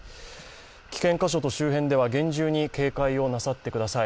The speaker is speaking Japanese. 危険箇所と周辺では厳重に警戒をなさってください。